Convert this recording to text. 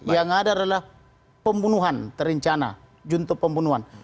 yang ada adalah pembunuhan terencana juntuh pembunuhan